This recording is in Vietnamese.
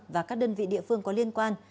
và các đơn vị địa phương có liên quan